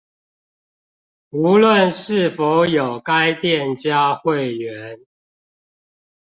無論是否有該店家會員